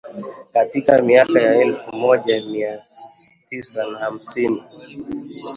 Katika miaka ya elfu moja mia tisa na hamsini